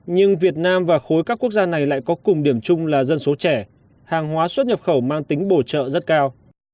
nhưng việt nam và khối các quốc gia này lại có cùng điểm chung là dân số trẻ hàng hóa xuất nhập khẩu mang tính bổ trợ rất cao